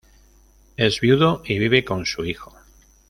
Es viudo y vive con su hijo.